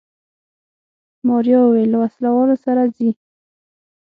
ماريا وويل له وسله والو سره ځي.